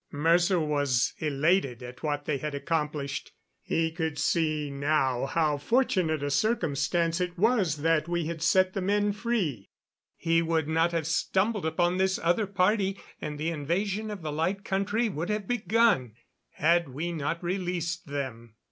Mercer was elated at what they had accomplished. He could see now how fortunate a circumstance it was that we had set the men free. He would not have stumbled upon this other party, and the invasion of the Light Country would have begun, had we not released them.